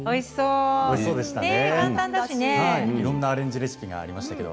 いろんなアレンジレシピがありましたけど。